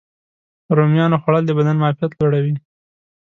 رومیانو خوړل د بدن معافیت لوړوي.